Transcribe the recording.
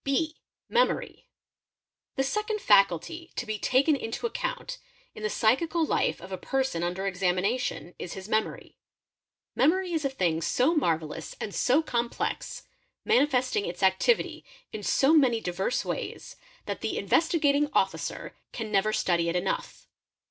| (b) Memory™. The second faculty to be taken into account in the psychical lif of a person under examination is his memory. Memory is a thing s marvellous and so complex, manifesting its activity in so many divers ways, that the Investigating Officer can never study it enough.